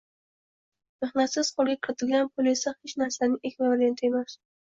Mehnatsiz qo‘lga kiritilgan pul esa hech narsaning ekvivalenti emas.